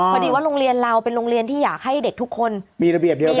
พอดีว่าโรงเรียนเราเป็นโรงเรียนที่อยากให้เด็กทุกคนมีระเบียบเดียวกัน